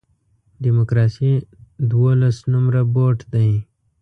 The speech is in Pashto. ډیموکراسي دولس نمره بوټ دی.